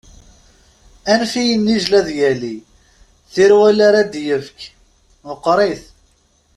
Anef i yinijjel ad yali, tirwal ar ad yefk meqqeṛit.